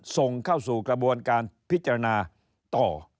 ส่งเข้าสู่กระบวนการพิจารณาต่อ